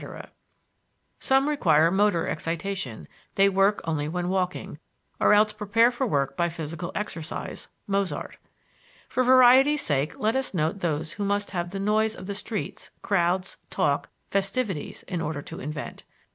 Some require motor excitation; they work only when walking, or else prepare for work by physical exercise (Mozart). For variety's sake, let us note those who must have the noise of the streets, crowds, talk, festivities, in order to invent.